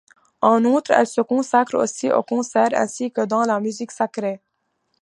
En outre, elle se consacre aussi au concert, ainsi que dans la musique sacrée.